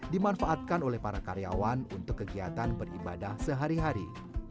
dimanfaatkan oleh para karyawan untuk kegiatan beribadah sehari hari